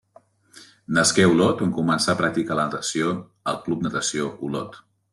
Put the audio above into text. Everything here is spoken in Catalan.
Nasqué a Olot on començà a practicar la natació al Club Natació Olot.